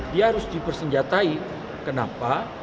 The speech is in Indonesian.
dia harus dipersenjatai kenapa